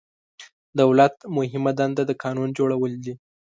دولت مهمه دنده د قانون جوړول دي.